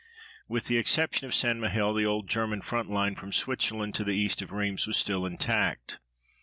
With the exception of St. Mihiel the old German front line from Switzerland to the east of Rheims was still intact.